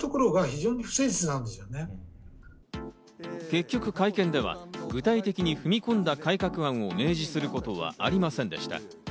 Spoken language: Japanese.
結局、会見では具体的に踏み込んだ改革案を明示することはありませんでした。